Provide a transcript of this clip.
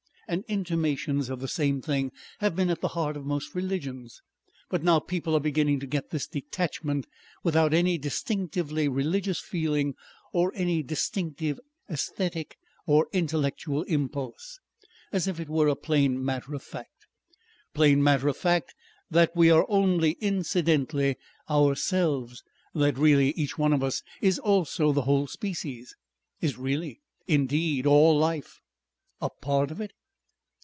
And intimations of the same thing have been at the heart of most religions. But now people are beginning to get this detachment without any distinctively religious feeling or any distinctive aesthetic or intellectual impulse, as if it were a plain matter of fact. Plain matter of fact, that we are only incidentally ourselves. That really each one of us is also the whole species, is really indeed all life." "A part of it."